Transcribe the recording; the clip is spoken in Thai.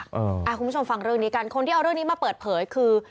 คุณผู้ชมฟังเรื่องนี้กันคนที่เอาเรื่องนี้มาเปิดเผยคือ